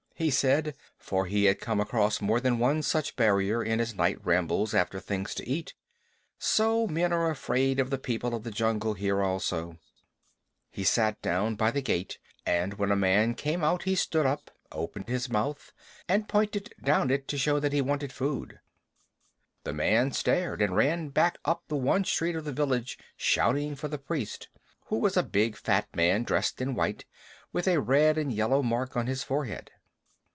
"Umph!" he said, for he had come across more than one such barricade in his night rambles after things to eat. "So men are afraid of the People of the Jungle here also." He sat down by the gate, and when a man came out he stood up, opened his mouth, and pointed down it to show that he wanted food. The man stared, and ran back up the one street of the village shouting for the priest, who was a big, fat man dressed in white, with a red and yellow mark on his forehead.